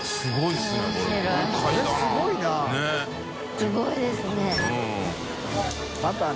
すごいですね。